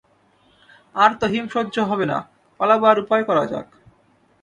আর তো হিম সহ্য হবে না, পালাবার উপায় করা যাক।